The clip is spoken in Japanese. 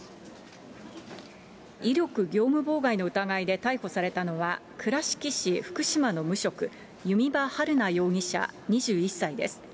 威力業務妨害の疑いで逮捕されたのは、倉敷市福島の無職、弓場晴菜容疑者２１歳です。